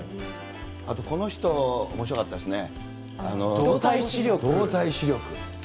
あとこの人、おもしろかったですね。